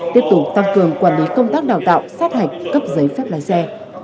tiếp tục tăng cường quản lý công tác đào tạo sát hạch cấp giấy phép lái xe